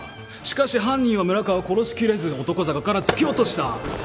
しかし犯人は村川を殺しきれず男坂から突き落とした。